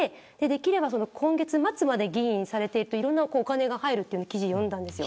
できれば今月末まで議員されているといろんなお金が入るという記事を読んだんです。